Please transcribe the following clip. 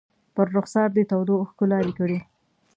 په رخسار دې تودو اوښکو لارې کړي